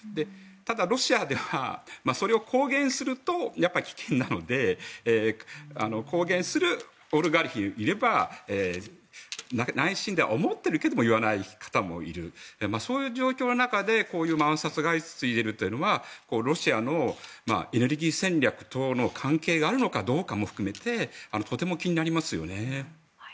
ただ、ロシアではそれを公言すると危険なので公言するオリガルヒがいれば内心では思っているけども言わない方もいるそういう状況の中でこういう暗殺が相次いでいるというのはロシアのエネルギー戦略等の関係があるのかどうかも含めてとても気になりますよね。